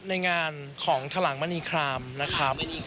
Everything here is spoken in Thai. ในงานของถลังมณีครามนะครับ